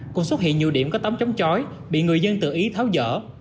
cũng xuất hiện nhiều điểm có tấm chống chói bị người dân tự ý tháo gỡ